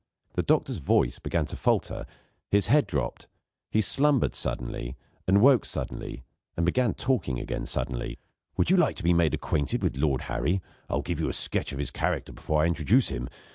The doctor's voice began to falter, his head dropped; he slumbered suddenly and woke suddenly, and began talking again suddenly. "Would you like to be made acquainted with Lord Harry? I'll give you a sketch of his character before I introduce him.